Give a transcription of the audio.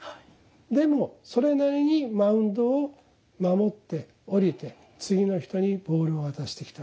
でもそれなりにマウンドを守って降りて次の人にボールを渡してきたわけですよ。